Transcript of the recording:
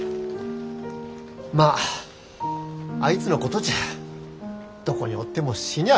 まああいつのことじゃどこにおっても死にゃあせんわ。